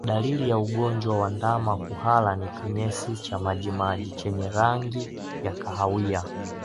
Dalili ya ugonjwa wa ndama kuhara ni kinyesi cha majimaji chenye rangi ya kahawia